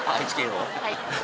はい。